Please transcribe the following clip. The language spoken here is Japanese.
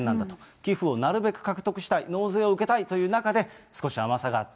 寄付をなるべく獲得したい、納税を受けたいという中で、少し甘さがあった。